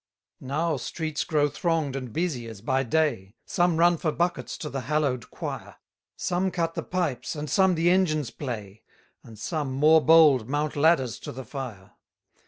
229 Now streets grow throng'd and busy as by day: Some run for buckets to the hallow'd quire: Some cut the pipes, and some the engines play; And some more bold mount ladders to the fire.